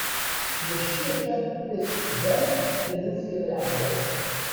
Mačči akka i as-d-tban taluft iḍ iɛeddan.